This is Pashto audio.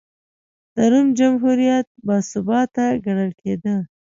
د روم جمهوریت باثباته ګڼل کېده.